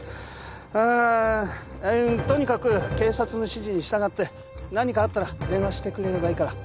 ああとにかく警察の指示に従って何かあったら電話してくれればいいから。